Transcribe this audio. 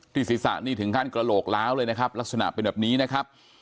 ศีรษะนี่ถึงขั้นกระโหลกล้าวเลยนะครับลักษณะเป็นแบบนี้นะครับ